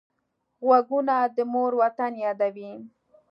غوږونه د مور وطن یادوي